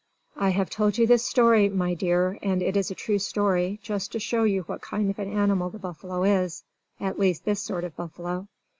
I have told you this story, my dear (and it is a true story) just to show you what kind of an animal the buffalo is at least, this sort of buffalo.